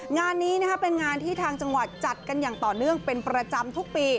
งานนี้เป็นงานที่ทางจังหวัดจัดกันอย่างต่อเนื่องเป็นประจำทุกปี